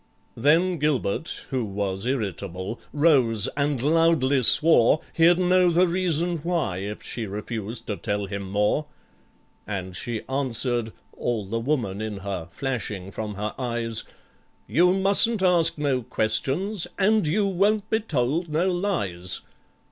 Then GILBERT, who was irritable, rose and loudly swore He'd know the reason why if she refused to tell him more; And she answered (all the woman in her flashing from her eyes) "You mustn't ask no questions, and you won't be told no lies!